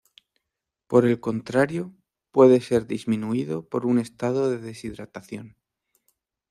Por el contrario, puede ser disminuido por un estado de deshidratación.